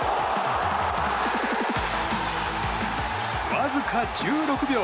わずか１６秒！